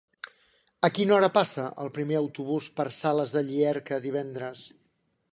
A quina hora passa el primer autobús per Sales de Llierca divendres?